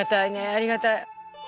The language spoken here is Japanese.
ありがたい！